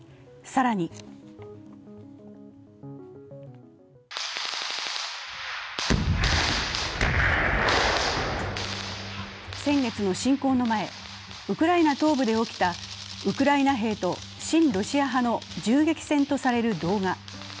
更に先月の侵攻の前、ウクライナ東部で起きたウクライナ兵と親ロシア派の銃撃戦とされる動画。